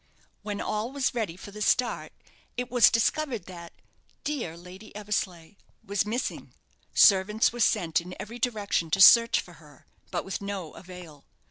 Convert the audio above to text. When all was ready for the start, it was discovered that "dear Lady Eversleigh" was missing. Servants were sent in every direction to search for her; but with no avail.